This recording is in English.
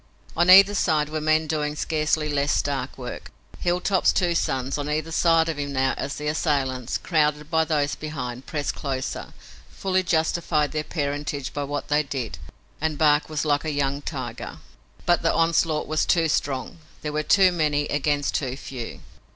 On either side were men doing scarcely less stark work. Hilltop's two sons, on either side of him now, as the assailants, crowded by those behind, pressed closer, fully justified their parentage by what they did, and Bark was like a young tiger. But the onslaught was too strong. There were too many against too few.